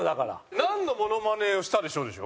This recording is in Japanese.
「なんのモノマネをしたでしょう」でしょ？